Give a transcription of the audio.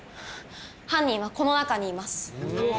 犯人はこの中にいます。